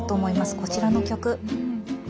こちらの曲。